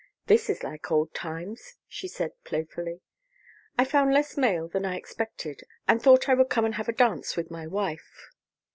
"This is like old times," she said playfully. "I found less mail than I expected and thought I would come and have a dance with my wife."